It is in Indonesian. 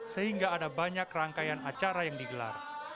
sehingga ada banyak rangkaian acara yang digelar